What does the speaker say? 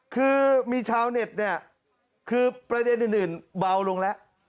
คือมีชาวเน็ตเนี่ยคือประเด็นอื่นเบาลงแล้ว